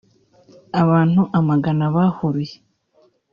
Abantu amagana bahuruye